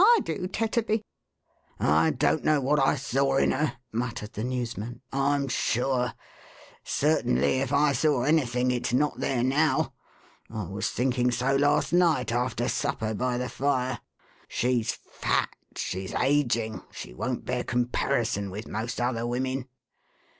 I do, Tetterby." " I don't know what I saw in her," muttered the newsman, 4i I'm sure :— certainly, if I saw anything, it's not there now. I was thinking so, last night, after supper, by the fire. She's fat, she's ageing, she won't bear comparison with most other women."